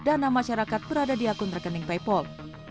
dana masyarakat berada di akun rekening paypol